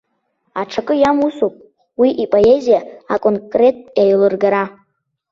Аҽакы иамусуп уи ипоезиа аконкреттә еилыргара.